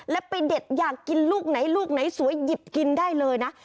แล้วไปเด็ดอยากกินลูกไหนลูกไหนสวยหยิบกินได้เลยนะ